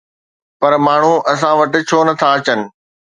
پر ماڻهو اسان وٽ ڇو نٿا اچن؟